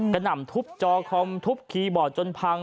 หนำทุบจอคอมทุบคีย์บอร์ดจนพัง